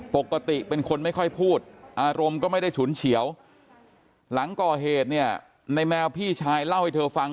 ปกติเป็นคนไม่ค่อยพูดอารมณ์ก็ไม่ได้ฉุนเฉียวหลังก่อเหตุเนี่ยในแมวพี่ชายเล่าให้เธอฟัง